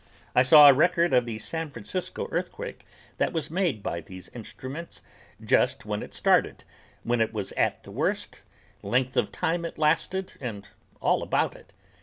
I saw a record of the San Francisco earthquake that was made by these instruments just when it started, when it was at the worst, length of time it lasted and all about it.